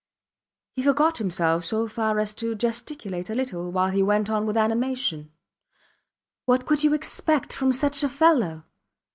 ... He forgot himself so far as to gesticulate a little while he went on with animation: What could you expect from such a fellow?